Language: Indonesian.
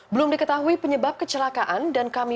belum diketahui penyebab kecelakaan dan kami